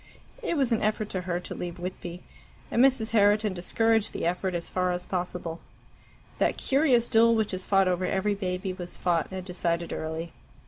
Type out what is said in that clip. It was an effort to her to leave Whitby, and Mrs. Herriton discouraged the effort as far as possible. That curious duel which is fought over every baby was fought and decided early.